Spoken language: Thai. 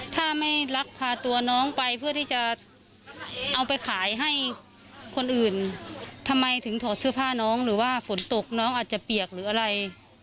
ทำไมถึงถอดเสื้อผ้าน้องหรือว่าฝนตกน้องอาจจะเปียกหรืออะไร